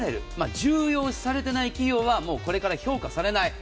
重要視されていない企業はこれから評価されない。